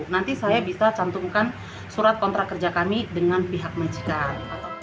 nanti saya bisa cantumkan surat kontrak kerja kami dengan pihak majikan